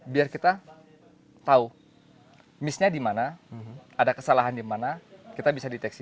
biar kita tahu missnya di mana ada kesalahan di mana kita bisa deteksi